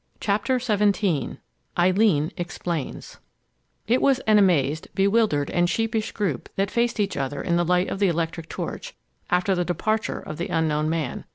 CHAPTER XVII EILEEN EXPLAINS It was an amazed, bewildered, and sheepish group that faced each other in the light of the electric torch after the departure of the unknown man.